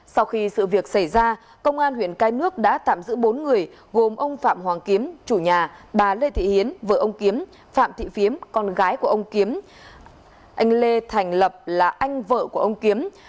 sau khi sự việc xảy ra công an huyện cái nước đã tạm giữ bốn người gồm ông phạm hoàng kiếm chủ nhà bà lê thị hiến vợ ông kiếm phạm thị phiếm con gái của ông kiếm anh lê thành lập là anh vợ của ông kiếm